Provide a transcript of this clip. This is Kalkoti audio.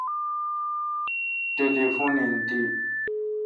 ٹلیفون این تی ۔